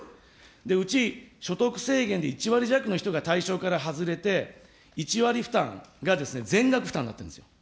うち所得制限で１割弱の人が対象から外れて、１割負担が全額負担になってるんですよ。